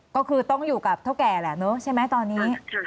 ก็คือต้องอยู่กับเท่าแก่แหละเนอะใช่ไหมตอนนี้